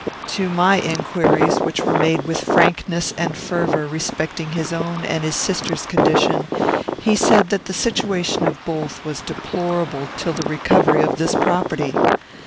To my inquiries, which were made with frankness and fervour, respecting his own and his sister's condition, he said that the situation of both was deplorable till the recovery of this property.